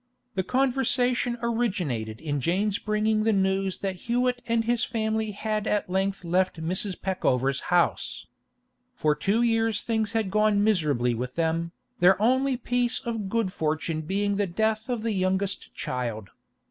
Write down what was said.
The conversation originated in Jane's bringing the news that Hewett and his family had at length left Mrs. Peckover's house. For two years things had gone miserably with them, their only piece of good fortune being the death of the youngest child.